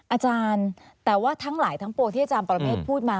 อาจารย์แต่ว่าทั้งหลายทั้งปวงที่อาจารย์ปรเมฆพูดมา